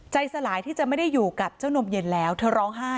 สลายที่จะไม่ได้อยู่กับเจ้านมเย็นแล้วเธอร้องไห้